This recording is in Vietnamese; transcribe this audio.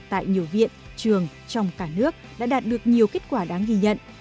tại nhiều viện trường trong cả nước đã đạt được nhiều kết quả đáng ghi nhận